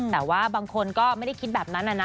แต่ว่าบางคนก็ไม่ได้คิดแบบนั้นนะ